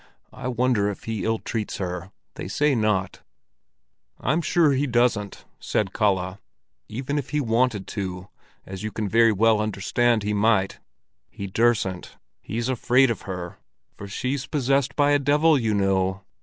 I wonder if he ill treats her; they say not." "I'm sure he doesn't," said Kalle. "Even if he wanted to—as you can very well understand he might—he dursn't. He's afraid of her, for she's possessed by a devil, you know."